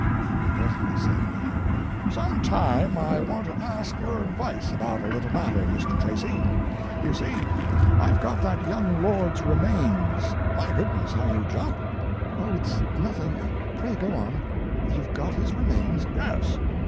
He presently said, aloud: "Some time I want to ask your advice about a little matter, Mr. Tracy. You see, I've got that young lord's remains—my goodness, how you jump!" "Oh, it's nothing, pray go on. You've got his remains?" "Yes."